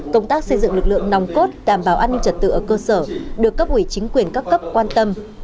công tác xây dựng lực lượng nòng cốt đảm bảo an ninh trật tự ở cơ sở được cấp ủy chính quyền các cấp quan tâm